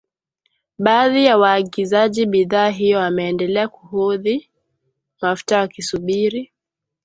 Baadhi ya waagizaji bidhaa hiyo wameendelea kuhodhi mafuta wakisubiri